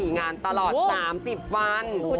งานตลอด๓๐วัน